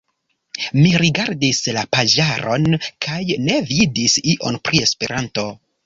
Mi rigardis la paĝaron kaj ne vidis ion pri Esperanto.